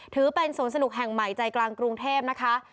ถือเป็นสวนสนุกแห่งใหม่ใจกลางกรุงเทพนะคะ